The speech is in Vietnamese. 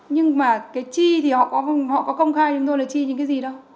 nhưng mà cái chi thì họ có công khai cho tôi là chi những cái gì đâu